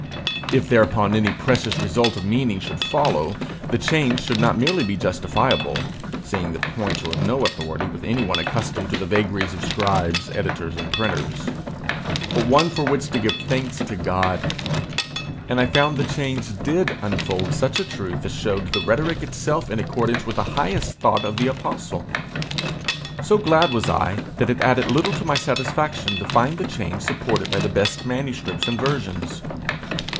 If thereupon any precious result of meaning should follow, the change would not merely be justifiable seeing that points are of no authority with anyone accustomed to the vagaries of scribes, editors, and printers but one for which to give thanks to God. And I found the change did unfold such a truth as showed the rhetoric itself in accordance with the highest thought of the apostle. So glad was I, that it added little to my satisfaction to find the change supported by the best manuscripts and versions.